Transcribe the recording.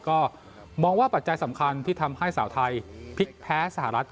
ก็มองว่าปัจจัยสำคัญที่ทำให้สาวไทยพลิกแพ้สหรัฐ